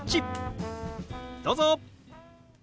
どうぞ！